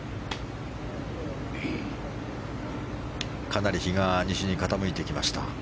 かなり日が西に傾いてきました。